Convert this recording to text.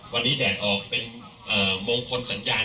วันนี้แดดออกเป็นมงคลสัญญาณ